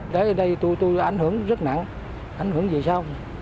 để ở đây tôi ảnh hưởng rất nặng ảnh hưởng gì sao